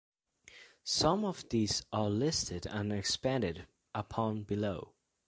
Some of these are listed and expanded upon below.